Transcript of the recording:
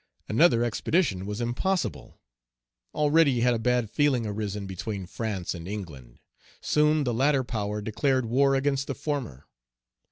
Another expedition was impossible. Already had a bad feeling arisen between France and England. Soon the latter power declared war against the former.